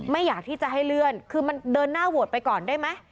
อยากที่จะให้เลื่อนคือมันเดินหน้าโหวตไปก่อนได้ไหม